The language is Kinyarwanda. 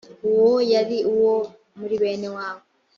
uwo yari uwo muri bene wabo.